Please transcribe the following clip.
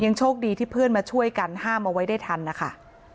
โชคดีที่เพื่อนมาช่วยกันห้ามเอาไว้ได้ทันนะคะ